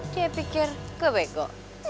kayak pikir gue bego